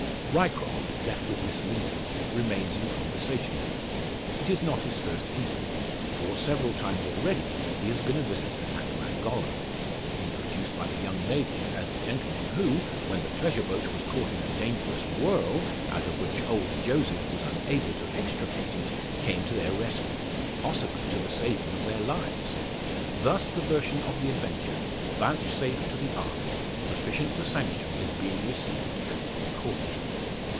Ryecroft, left with Miss Linton, remains in conversation with her. It is not his first interview; for several times already has he been a visitor at Llangorren introduced by the young ladies as the gentleman who, when the pleasure boat was caught in a dangerous whirl, out of which old Joseph was unable to extricate it, came to their rescue possibly to the saving of their lives! Thus, the version of the adventure, vouchsafed to the aunt sufficient to sanction his being received at the Court.